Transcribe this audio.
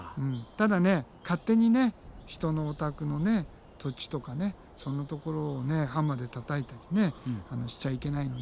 ただね勝手に人のお宅の土地とかそんなところをハンマーでたたいたりねしちゃいけないので。